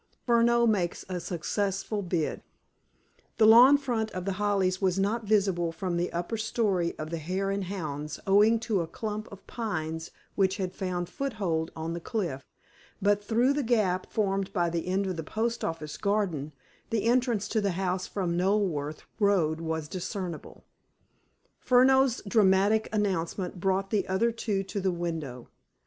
Furneaux Makes a Successful Bid The lawn front of The Hollies was not visible from the upper story of the Hare and Hounds owing to a clump of pines which had found foothold on the cliff, but, through the gap formed by the end of the post office garden, the entrance to the house from the Knoleworth road was discernible. Furneaux's dramatic announcement brought the other two to the window.